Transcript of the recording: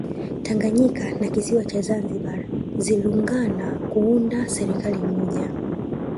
Tanganyika na kisiwa cha Zanzibar zilungana kuunda ya serikali moja